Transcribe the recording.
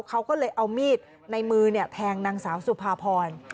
เขาก็เลยเอามีดในมือแทงนางสาวสุภาพร